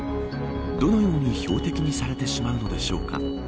どのように標的にされてしまうのでしょうか。